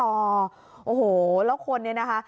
โอ้โหแล้วคนเนี่ยนะคะ